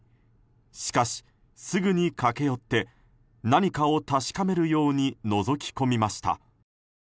しかしすぐに駆け寄って何かを確かめるようにのぞき込みました。